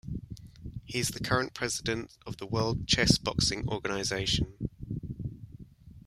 He is the current president of the World Chess Boxing Organisation.